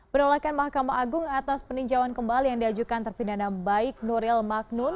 penolakan mahkamah agung atas peninjauan kembali yang diajukan terpidana baik nuril magnun